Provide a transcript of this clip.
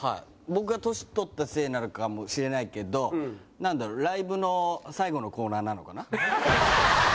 僕が年取ったせいなのかもしれないけどなんだろうライブの最後のコーナーなのかな？